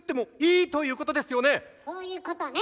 そういうことね。